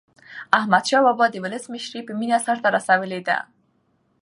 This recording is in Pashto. احمدشاه بابا د ولس مشري په مینه سرته رسولې ده.